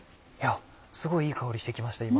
すごいいい香りしてきました今。